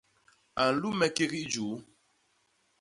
A nlume kék i juu.